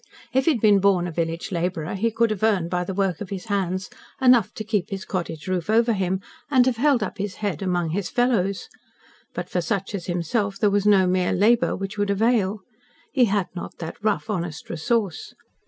If he had been born a village labourer, he could have earned by the work of his hands enough to keep his cottage roof over him, and have held up his head among his fellows. But for such as himself there was no mere labour which would avail. He had not that rough honest resource.